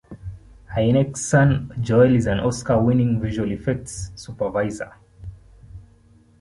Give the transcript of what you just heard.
Hynek's son Joel is an Oscar-winning visual effects supervisor.